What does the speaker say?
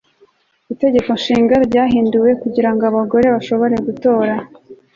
Itegeko Nshinga ryahinduwe kugira ngo abagore bashobore gutora